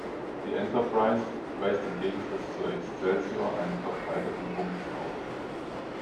Die Enterprise weist im Gegensatz zur Excelsior einen verbreiterten Rumpf auf.